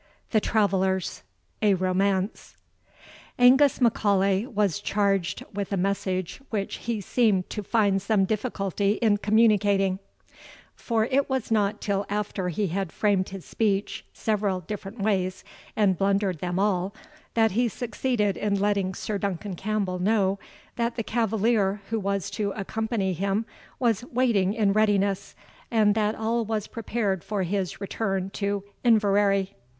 THE TRAVELLERS, A ROMANCE. Angus M'Aulay was charged with a message which he seemed to find some difficulty in communicating; for it was not till after he had framed his speech several different ways, and blundered them all, that he succeeded in letting Sir Duncan Campbell know, that the cavalier who was to accompany him was waiting in readiness, and that all was prepared for his return to Inverary.